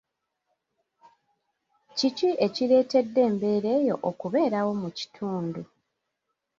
Kiki ekireetedde embeera eyo okubeerawo mu kitundu?